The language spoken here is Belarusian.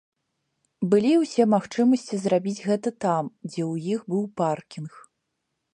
Былі ўсе магчымасці зрабіць гэта там, дзе ў іх быў паркінг.